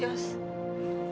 saya sudah berhenti